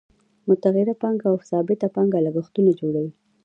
متغیره پانګه او ثابته پانګه لګښتونه جوړوي